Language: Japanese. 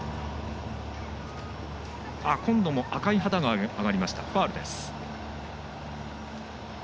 今度も赤い旗が上がりましたファウルです。